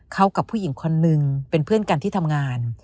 เขากับผู้หญิงคนนึงเป็นเพื่อนกันที่ทำงาน